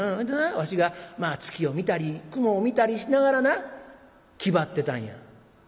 でわしがまあ月を見たり雲を見たりしながらな気張ってたんや」。